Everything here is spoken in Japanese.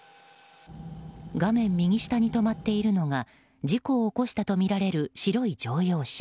画面右下に止まっているのが事故を起こしたとみられる白い乗用車。